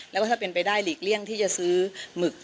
แล้วก็ถ้าเป็นไปได้หลีกเลี่ยงที่จะซื้อหมึก